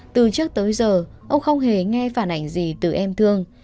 từ trước tới giờ ông không hề nghe phản ảnh gì từ em thương